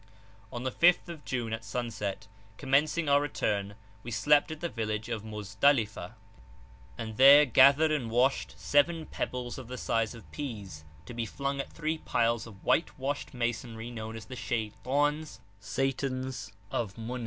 On the 5th of June, at sunset, commencing our return, we slept at the village of Muzdalifah, and there gathered and washed seven pebbles of the size of peas, to be flung at three piles of whitewashed masonry known as the Shaitans (Satans) of Mun?.